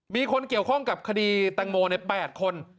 มีคนเกี่ยวข้องกับคดีแตงโม๘คน